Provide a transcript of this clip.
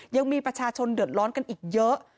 ยังมีประชาชนเดือดร้อนกันอีกเยอะ